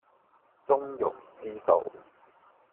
中庸之道